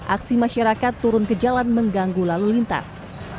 aksi masyarakat turun ke jalan mengganggu lalu lintas